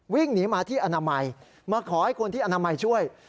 วิ่งหนีมาที่อนามัยมาขอให้คนที่อนามัยช่วย